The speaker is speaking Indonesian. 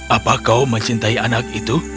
apa kau mencintai anak itu